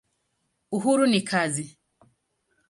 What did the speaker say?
Uhuru ni kazi.